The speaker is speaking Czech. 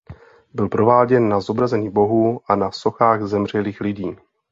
Byl prováděn na zobrazení bohů a na sochách zemřelých lidí.